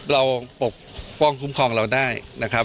ปกป้องคุ้มครองเราได้นะครับ